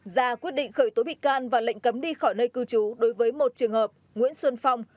ra quyết định khởi tố bị can và lệnh cấm đi khỏi nơi cư trú đối với một trường hợp nguyễn xuân phong